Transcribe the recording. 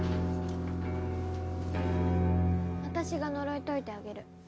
私が呪い解いてあげる。